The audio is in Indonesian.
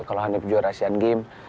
kalau hanya juara asian games